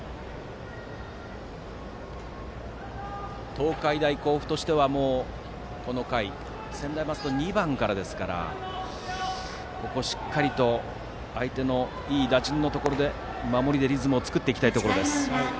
東海大甲府としては専大松戸は２番からですからここをしっかり相手のいい打順のところで守りでリズムを作っていきたいところです。